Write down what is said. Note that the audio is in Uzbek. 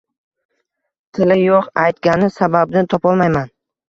Tili yo`q aytgani, sababini topolmayman